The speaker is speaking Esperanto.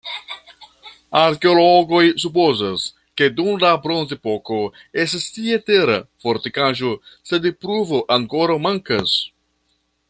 Arkeologoj supozas, ke dum la bronzepoko estis tie tera fortikaĵo, sed pruvo ankoraŭ mankas.